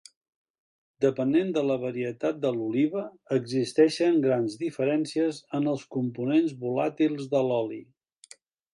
Depenent de la varietat de l'oliva, existeixen grans diferències en els components volàtils de l’oli.